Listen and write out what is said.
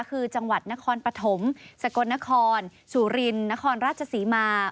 คือจังหวัดนครปฐมสกลนครสุรินนครราชศรีมา